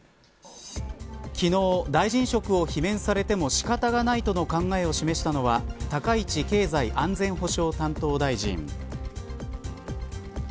昨日、大臣職を罷免されても仕方がないとの考えを示したのは高市経済安全保障担当大臣。